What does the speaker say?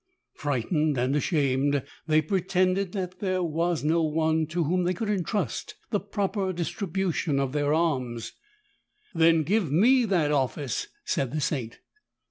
Frightened and ashamed, they pretended that there was no one tO' whom they could entrust the proper distribution of their alms. "Then give me that office," said the Saint.